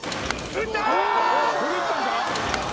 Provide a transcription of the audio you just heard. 打ったー！